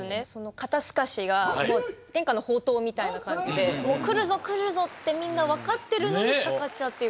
肩透かしが伝家の宝刀みたいな感じでくるぞくるぞってみんな分かってるのにかかっちゃうっていう。